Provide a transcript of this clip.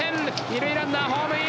二塁ランナーホームイン。